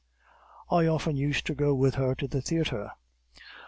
"I often used to go with her to the theatre.